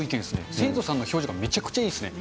生徒さんの表情がめちゃくちゃいいですよね。